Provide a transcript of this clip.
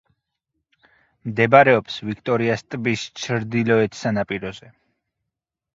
მდებარეობს ვიქტორიას ტბის ჩრდილოეთ სანაპიროზე.